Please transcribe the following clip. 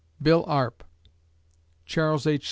BILL ARP (Charles H.